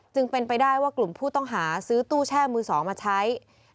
จึงเป็นไปได้ว่ากลุ่มผู้ต้องหาซื้อตู้แช่มือ๒มาใช้